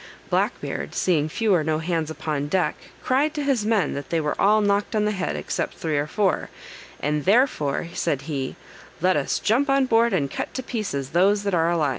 Black Beard seeing few or no hands upon deck, cried to his men that they were all knocked on the head except three or four; "and therefore," said he, "let us jump on board, and cut to pieces those that are alive."